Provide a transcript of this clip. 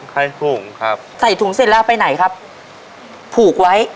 ให้ผูกครับใส่ถุงเส้นแล้วไปไหนครับผูกไว้